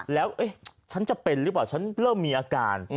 แล้วฉันจะเป็นหรือเปล่าฉันเริ่มมีอาการ